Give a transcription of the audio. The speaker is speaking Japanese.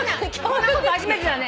こんなこと初めてだね。